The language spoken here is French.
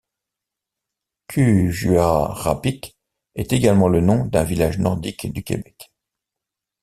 Kuujjuarapik est également le nom d'un village nordique du Québec.